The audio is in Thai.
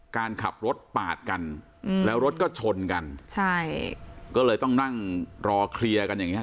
การขับรถปาดกันอืมแล้วรถก็ชนกันใช่ก็เลยต้องนั่งรอเคลียร์กันอย่างเงี้